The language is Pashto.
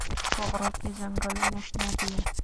په غرونو کې ځنګلونه شنه دي.